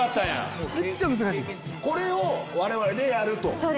これを我々でやると。